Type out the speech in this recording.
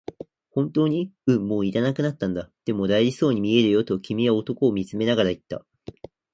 「本当に？」、「うん、もう要らなくなったんだ」、「でも、大事そうに見えるよ」と君は男を見つめながら言った。